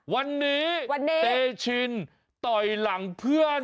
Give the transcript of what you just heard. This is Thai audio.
วันนี้เตชินต่อยหลังเพื่อน